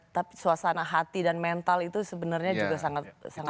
tapi suasana hati dan mental itu sebenarnya juga sangat sangat